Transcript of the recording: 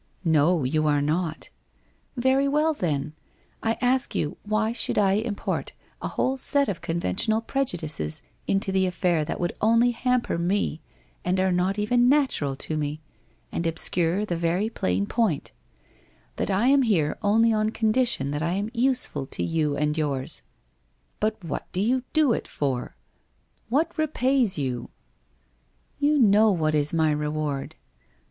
* No, you are not/ ' Very well then ! I ask you, why should I import a WHITE ROSE OF WEARY LEAF 329 whole set of conventional prejudices into the affair that would only hamper me and are not even natural to me, and obscure the very plain point — that I am here only on condition I am useful to you and yours.' * But what do you do it for ? What repays you ?'' You know what is my reward.